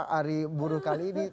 hari buruh kali ini